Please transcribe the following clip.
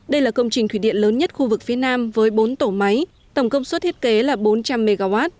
đây là công trình thủy điện lớn nhất khu vực phía nam với bốn tổ máy tổng công suất thiết kế là bốn trăm linh mw